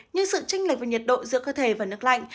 như sự tranh lệch về nhiệt độ giữa cơ thể và nước lạnh